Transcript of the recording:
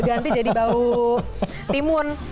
ganti jadi bau timun